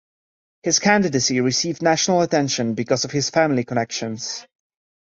His candidacy received national attention because of his family connections.